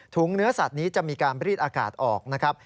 เนื้อสัตว์นี้จะมีการรีดอากาศออกนะครับ